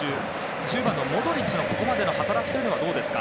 １０番のモドリッチのここまでの働きはどうですか？